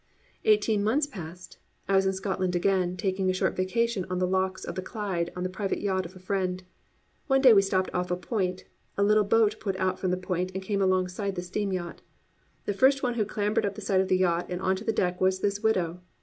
Eighteen months passed; I was in Scotland again, taking a short vacation on the lochs of the Clyde on the private yacht of a friend. One day we stopped off a point, a little boat put off from the point and came alongside the steam yacht. The first one who clambered up the side of the yacht and onto the deck was this widow.